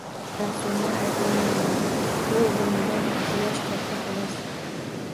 Rasulni ayblamayman, u o`g`limdan ikki yosh katta, xolos